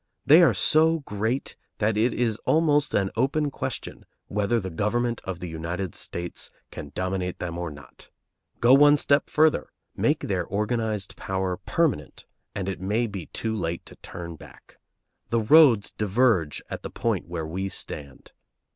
They are so great that it is almost an open question whether the government of the United States can dominate them or not. Go one step further, make their organized power permanent, and it may be too late to turn back. The roads diverge at the point where we stand.